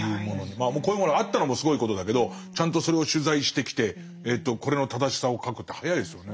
こういうものがあったのもすごいことだけどちゃんとそれを取材してきてこれの正しさを書くって早いですよね。